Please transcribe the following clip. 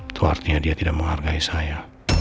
itu artinya dia tidak menghargai saya